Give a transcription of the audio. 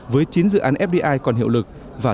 với chín dự án fdi còn hiệu quả